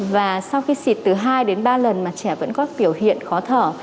và sau khi xịt từ hai đến ba lần mà trẻ vẫn có biểu hiện khó thở